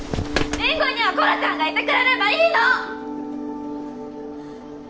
りんごにはころちゃんがいてくれればいいの！